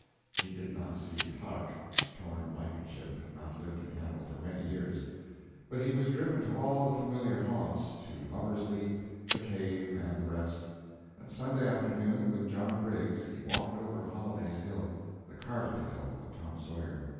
He did not see "Huck" Torn Blankenship had not lived in Hannibal for many years. But he was driven to all the familiar haunts to Lover's Leap, the cave, and the rest; and Sunday afternoon, with John Briggs, he walked over Holliday's Hill the "Cardiff Hill" of "Tom Sawyer."